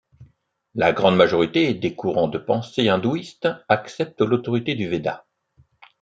La grande majorité des courants de pensée hindouistes accepte l'autorité du Veda.